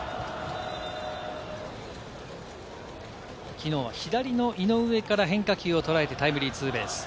きのうは左の井上から変化球をとらえてタイムリーツーベース。